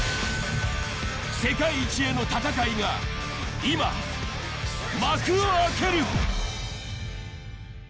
世界一への戦いが今、幕を開ける。